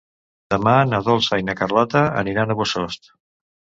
Demà na Dolça i na Carlota aniran a Bossòst.